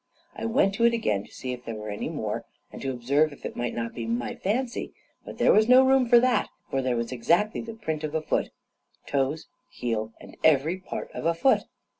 I went to it again to see if there were any more, and to observe if it might not be my fancy; but there was no room for that, for there was exactly the print of a foot toes, heel, and every part of a foot.